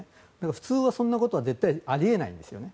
普通はそんなことは絶対あり得ないんですよね。